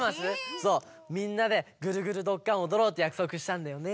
そうみんなで「ぐるぐるどっかん！」をおどろうってやくそくしたんだよね。